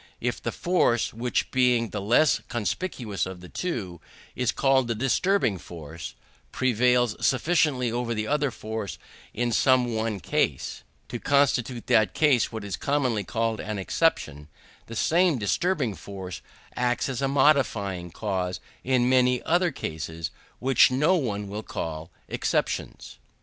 If the force which, being the less conspicuous of the two, is called the disturbing force, prevails sufficiently over the other force in some one case, to constitute that case what is commonly called an exception, the same disturbing force probably acts as a modifying cause in many other cases which no one will call exceptions.